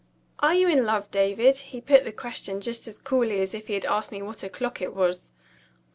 "Are you in love, David?" He put the question just as coolly as if he had asked me what o'clock it was.